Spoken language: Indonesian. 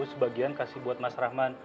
sebagian kasih buat mas rahman